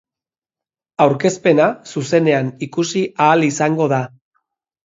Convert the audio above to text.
Aurkezpena zuzenean ikusi ahal izango da.